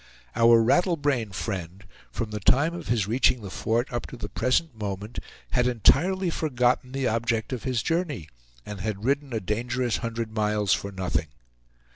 Our rattle brain friend, from the time of his reaching the Fort up to the present moment, had entirely forgotten the object of his journey, and had ridden a dangerous hundred miles for nothing.